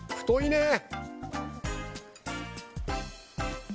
太いね。